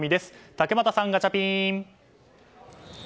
竹俣さん、ガチャピン！